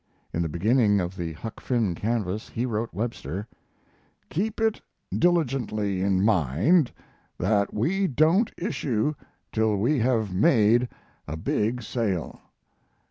In the beginning of the Huck Finn canvass he wrote Webster: Keep it diligently in mind that we don't issue till we have made a big sale.